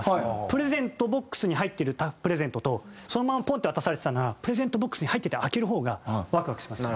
プレゼントボックスに入ってるプレゼントとそのままポンって渡されてたならプレゼントボックスに入ってて開ける方がワクワクしますよね。